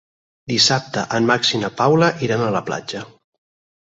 Dissabte en Max i na Paula iran a la platja.